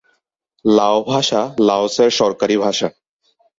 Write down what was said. লাও ভাষা লাওসের সরকারী ভাষা।